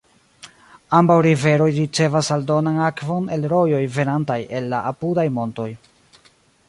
Ambaŭ riveroj ricevas aldonan akvon el rojoj venantaj el la apudaj montoj.